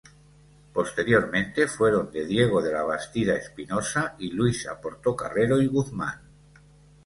Posteriormente, fueron de Diego de la Bastida Espinosa y Luisa Portocarrero y Guzmán.